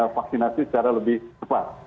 vaksinasi secara lebih cepat